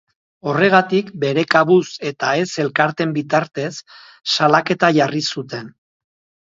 Horregatik, bere kabuz eta ez elkarteen bitartez, salaketa jarri zuten.